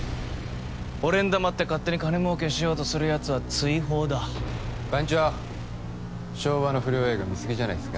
俺に黙って勝手に金儲けしようとするやつは追放だ番長昭和の不良映画見すぎじゃないっすか？